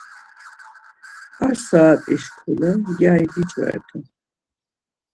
Ar saat̆i şkule gyari diç̌vert̆u.